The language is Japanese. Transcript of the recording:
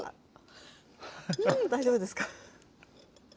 大丈夫ですか？